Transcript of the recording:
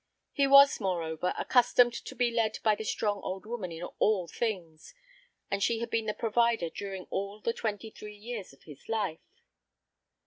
He was, moreover, accustomed to be led by the strong old woman in all things, and she had been the provider during all the twenty three years of his life.